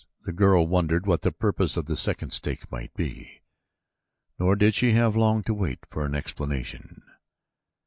The girl wondered what the purpose of the second stake might be, nor did she have long to wait for an explanation.